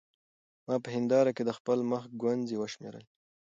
ما په هېنداره کې د خپل مخ ګونځې وشمېرلې.